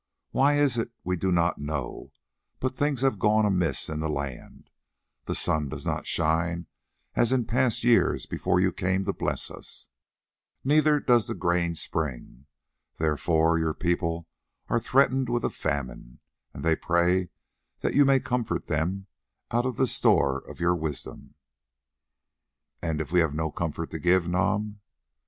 Why it is we do not know, but things have gone amiss in the land: the sun does not shine as in past years before you came to bless us, neither does the grain spring. Therefore your people are threatened with a famine, and they pray that you may comfort them out of the store of your wisdom." "And if we have no comfort to give, Nam?"